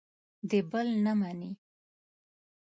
د بل نه مني.